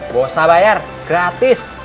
gak usah bayar gratis